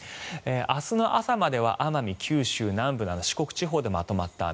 明日の朝までは奄美、九州南部など四国地方でまとまった雨。